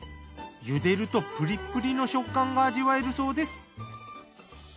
茹でるとプリップリの食感が味わえるそうです。